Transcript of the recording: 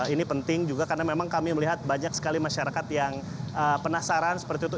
ini penting juga karena memang kami melihat banyak sekali masyarakat yang penasaran seperti itu